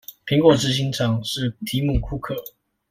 蘋果執行長是提姆庫克